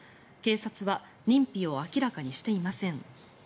警察は認否を明らかにしていません。